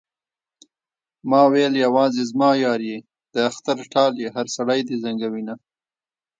ما ويل يوازې زما يار يې د اختر ټال يې هر سړی دې زنګوينه